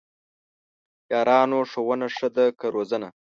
یارانو ! ښوونه ښه ده که روزنه؟!